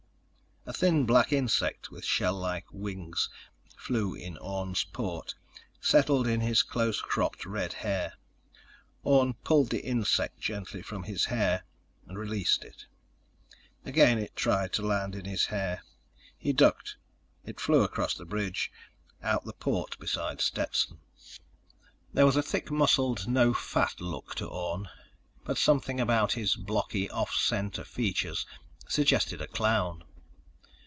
A thin black insect with shell like wings flew in Orne's port, settled in his close cropped red hair. Orne pulled the insect gently from his hair, released it. Again it tried to land in his hair. He ducked. It flew across the bridge, out the port beside Stetson. There was a thick muscled, no fat look to Orne, but something about his blocky, off center features suggested a clown.